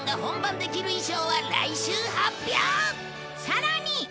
さらに！